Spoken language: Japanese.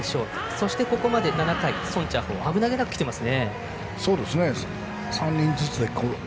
そして、ここまで７回、宋家豪危なげなくきていますね。